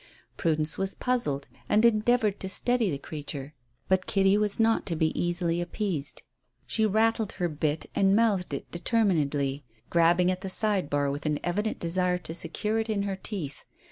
Prudence was puzzled and endeavoured to steady the creature. But Kitty was not to be easily appeased. She rattled her bit and mouthed it determinedly, grabbing at the side bar with an evident desire to secure it in her teeth.